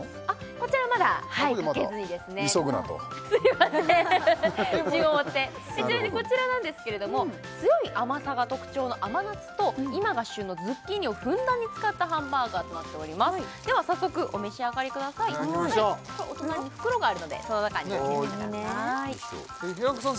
これまだ急ぐなとすいません順を追ってちなみにこちらなんですけれども強い甘さが特徴の甘夏と今が旬のズッキーニをふんだんに使ったハンバーガーとなっておりますでは早速お召し上がりくださいいただきましょうお隣に袋があるのでその中に入れてください平子さん